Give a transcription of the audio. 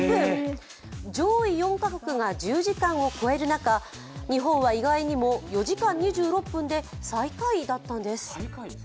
上位４カ国が１０時間を超える中、日本は意外にも４時間２６分で最下位だったんです。